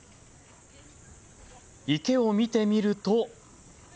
池を見てみると。